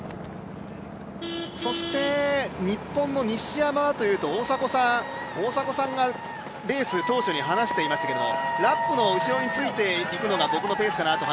そして、日本の西山はというと大迫さんがレース当初に話していましたけれどもラップの後についていくのが僕のペースかなと。